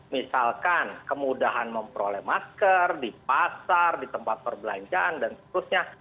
misalkan kemudahan memperoleh masker di pasar di tempat perbelanjaan dan seterusnya